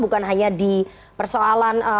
bukan hanya di persoalan